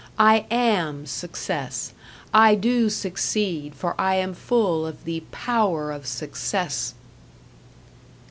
I AM success. I do succeed, for I am full of the Power of Success.